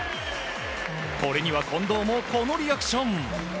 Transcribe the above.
これには近藤もこのリアクション。